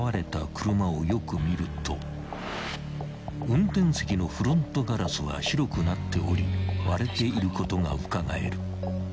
［運転席のフロントガラスは白くなっており割れていることがうかがえる］